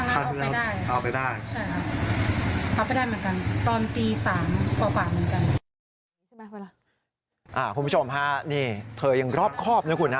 คุณผู้ชมฮะนี่เธอยังรอบครอบนะคุณนะ